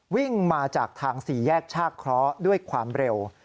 วิ่งมาจากทางสี่แยกชากเคราะห์ด้วยความเร็ว